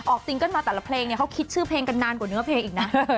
ซิงเกิ้ลมาแต่ละเพลงเนี่ยเขาคิดชื่อเพลงกันนานกว่าเนื้อเพลงอีกนะ